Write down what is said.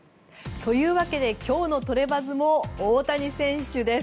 という訳で今日のトレバズも大谷選手です。